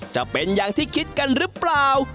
จะเป็นอย่างที่คิดกันหรือเปล่า